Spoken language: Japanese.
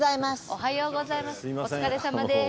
お疲れさまです。